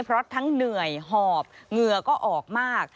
เพราะทั้งเหนื่อยหอบเหงื่อก็ออกมาก